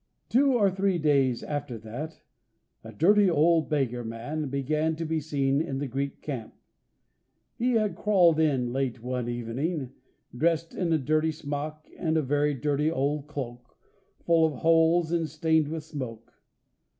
Two or three days after that, a dirty old beggar man began to be seen in the Greek camp. He had crawled in late one evening, dressed in a dirty smock and a very dirty old cloak, full of holes, and stained with smoke.